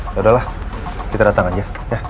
udah udahlah kita datang aja